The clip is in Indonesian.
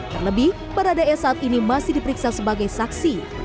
terlebih baradae saat ini masih diperiksa sebagai saksi